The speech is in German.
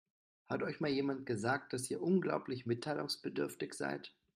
Hat euch mal jemand gesagt, dass ihr unglaublich mitteilungsbedürftig seid?